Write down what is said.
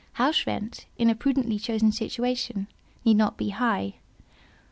House rent, in a prudently chosen situation, need not be high.